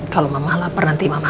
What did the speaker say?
kalau mama lapar nanti mama